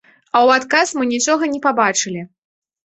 А ў адказ мы нічога не пабачылі.